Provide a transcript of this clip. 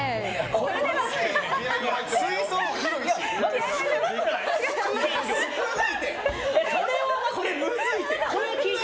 これむずいって！